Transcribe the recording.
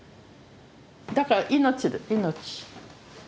だから命命。